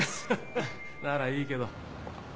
ハハならいいけど。